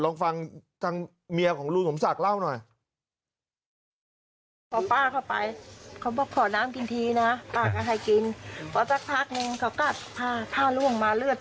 ลองฟังทางเมียของลุงสมศักดิ์เล่าหน่อย